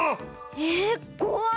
えこわい！